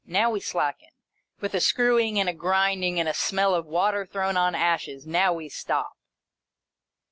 Now we slacken. With a screwing, and a grinding, and a smell of water thrown on ashes, now we stop